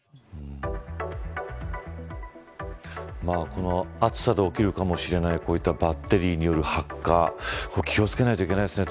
この暑さで起きるかもしれないこういったバッテリーによる発火気を付けないといけないですね。